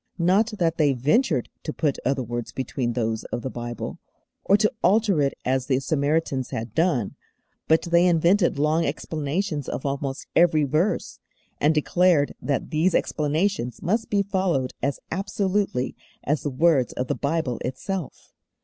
Not that they ventured to put other words between those of the Bible, or to alter it as the Samaritans had done; but they invented long explanations of almost every verse, and declared that these explanations must be followed as absolutely as the words of the Bible itself.